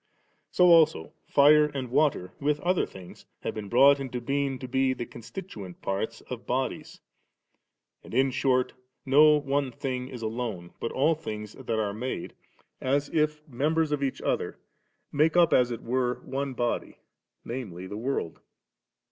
So also fire and water, with other things, have been brought into being to be the constituent parts of bodies; and in short no one thing is alone, but all things that are made, as if members • l36»iiote4. 4 G«B. I I4~l& 3 Vid. £i»eb. Demon, hr. f I 5f4t. of each other, make up as it were one body, namely, the world.